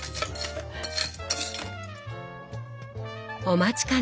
お待ちかね！